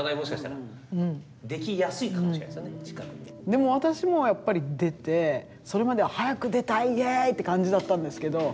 でも私もやっぱり出てそれまでは「早く出たいイエイ！」って感じだったんですけど